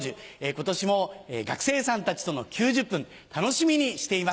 今年も学生さんたちとの９０分楽しみにしています。